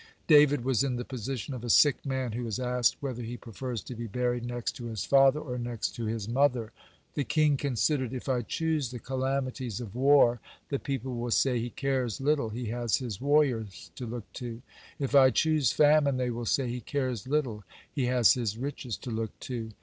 David was in the position of a sick man who is asked whether he prefers to be buried next to his father or next to his mother. The king considered: "If I choose the calamities of war, the people will say, 'He cares little, he has his warriors to look to.' If I choose famine, they will say, 'He cares little, he has his riches to look to.'